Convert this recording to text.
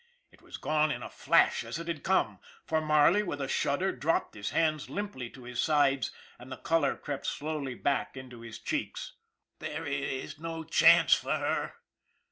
It was gone in a flash as it had come, for Marley, with a shudder, dropped his hands limply to his sides, and the color crept slowly back into his cheeks. MARLEY 231 "There is no chance for her?"